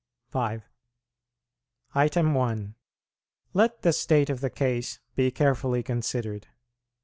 5. 1. Let the state of the case be carefully considered.